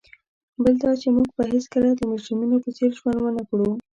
بل دا چي موږ به هیڅکله د مجرمینو په څېر ژوند ونه کړو.